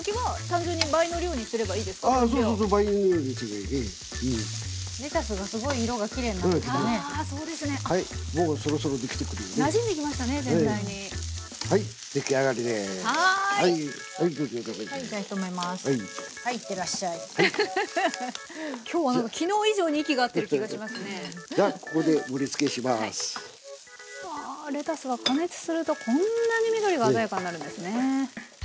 わレタスは加熱するとこんなに緑が鮮やかになるんですね。